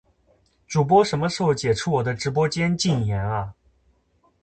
主播什么时候解除我的直播间禁言啊